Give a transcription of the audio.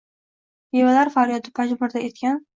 Bevalar faryodi pajmurda etgan